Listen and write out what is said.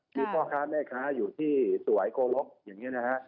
มีพ่อค้าแม่ค้าอยู่ที่สวัยโกรกอย่างนี้นะฮะ